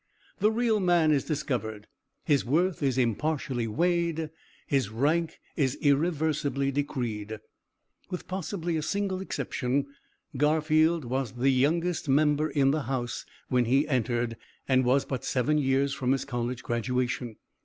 The real man is discovered, his worth is impartially weighed, his rank is irreversibly decreed. "With possibly a single exception, Garfield was the youngest member in the House when he entered, and was but seven years from his college graduation.